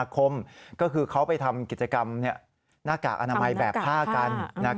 คมก็คือเขาไปทำกิจกรรมหน้ากากอนามัยแบบผ้ากัน